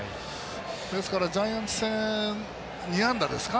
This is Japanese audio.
ですからジャイアンツ戦２安打ですか。